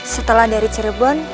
setelah dari cerebon